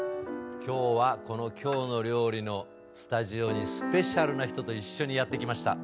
今日はこの「きょうの料理」のスタジオにスペシャルな人と一緒にやって来ました。